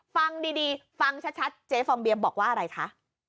ฟังดีฟังชัดเจ๊ฟองเบียบอกว่าอะไรคะ